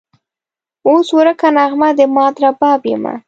اوس ورکه نغمه د مات رباب یمه